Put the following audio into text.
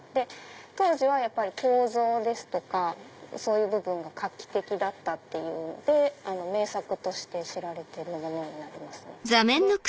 当時はやっぱり構造ですとかそういう部分が画期的だったっていうので名作として知られてるものになりますね。